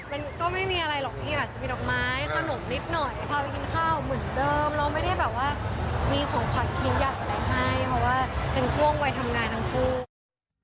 เพราะว่าเป็นช่วงวัยทำงานทั้งผู้